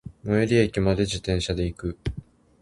最寄駅まで、自転車で行く。